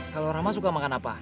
kalo rahma suka makan apa